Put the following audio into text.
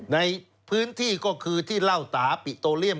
ในพื้นที่ก็คือที่เล่าตาปิโตเลียม